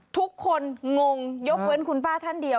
คงงยกเว้นคุณป้าท่านเดียว